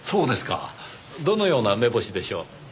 どのような目星でしょう？